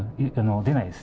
出ないです。